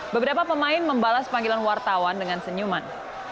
beberapa pemain membalas panggilan wartawan dengan senyuman